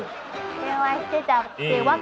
電話してたってわけ。